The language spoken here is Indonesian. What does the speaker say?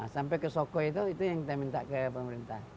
sampai ke soko itu yang kita minta ke pemerintah